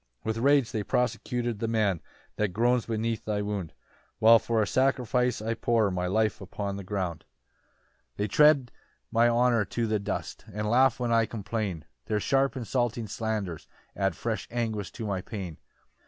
4 "With rage they persecute the man "That groans beneath thy wound, "While for a sacrifice I pour "My life upon the ground. 5 "They tread my honour to the dust, "And laugh when I complain "Their sharp insulting slanders add "Fresh anguish to my pain.